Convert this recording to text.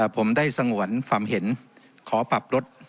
ผมได้สงวนความเห็นขอปรับลด